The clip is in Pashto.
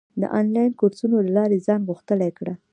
د انلاین کورسونو له لارې ځان غښتلی کړه.